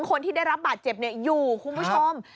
คนที่ได้รับบาดเจ็บอยู่คุณผู้ชม